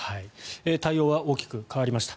対応は大きく変わりました。